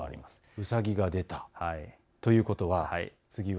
ウサギが出たということは次は。